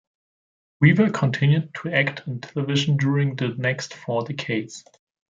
Weaver continued to act in television during the next four decades.